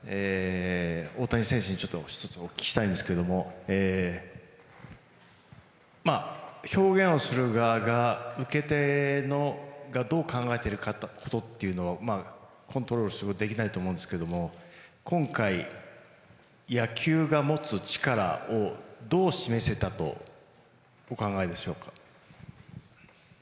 大谷選手に１つ聞きたいんですけども表現をする側が、受け手がどう考えているかということはコントロールできないと思いますが今回、野球が持つ力をどう示せたとお考えでしょうか。